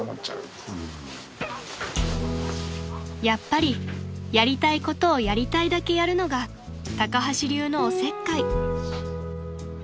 ［やっぱりやりたいことをやりたいだけやるのが高橋流のおせっかい］